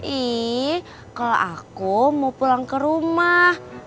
ih kalau aku mau pulang ke rumah